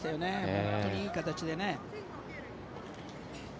本当にいい形でね。